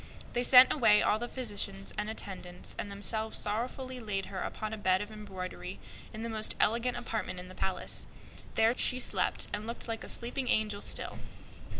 They sent away all the physicians and attendants, and themselves sorrowing laid her upon a bed in the finest apartment in the palace. There she slept and looked like a sleeping angel still.